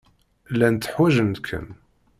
Llant ḥwajent-kem.